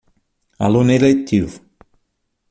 Aluno eletivo